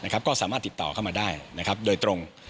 ก็สามารถติดต่อเข้ามาได้โดยตรง